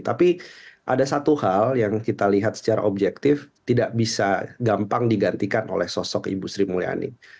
tapi ada satu hal yang kita lihat secara objektif tidak bisa gampang digantikan oleh sosok ibu sri mulyani